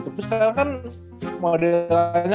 terus sekarang kan modelanya